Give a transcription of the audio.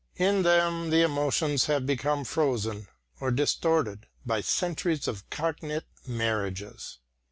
In them the emotions have become frozen or distorted by centuries of cognate marriages.